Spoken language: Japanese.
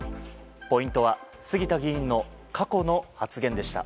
ポイントは杉田議員の過去の発言でした。